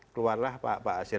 keluarlah pak basir